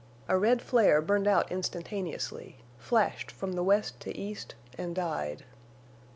A red flare burned out instantaneously, flashed from the west to east, and died.